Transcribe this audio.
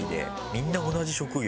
みんな同じ職業。